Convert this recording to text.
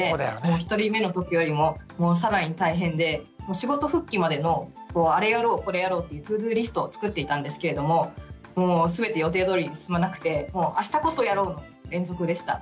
仕事復帰までのあれやろうこれやろうっていうＴｏＤｏリストを作っていたんですけれどももう全て予定どおり進まなくてあしたこそやろうの連続でした。